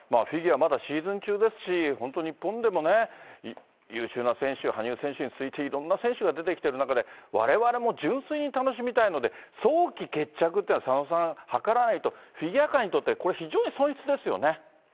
フィギュア、まだシーズン中ですし、本当、日本でも優秀な選手、羽生選手に続いていろんな選手が出てきてる中で、われわれも純粋に楽しみたいので、早期決着っていうのは、佐野さん、図らないと、フィギュア界にとって、これ、非常に損失ですよね。